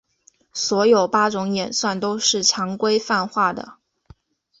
所有八种演算都是强规范化的。